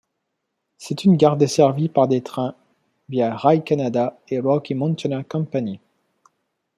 C'est une gare desservie par des trains Via Rail Canada et Rocky Mountaineer company.